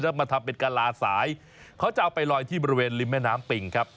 แล้วมาทำเป็นกะลาสายเขาจะเอาไปลอยที่บริเวณริมแม่น้ำปิงครับ